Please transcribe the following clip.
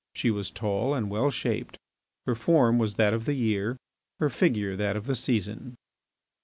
She was tall and well shaped; her form was that of the year, her figure that of the season.